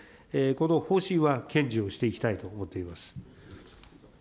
この方針は堅持をしていきたいと思っています。